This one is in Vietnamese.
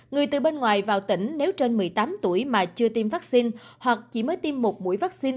người từ bên ngoài vào tỉnh nếu trên một mươi tám tuổi mà chưa tiêm vaccine hoặc chỉ mới tiêm một mũi vaccine